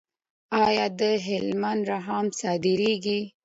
آیا د هلمند رخام صادریږي؟